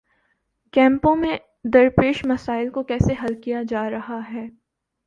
کیمپوں میں درپیش مسائل کو کیسے حل کیا جا رہا ہے؟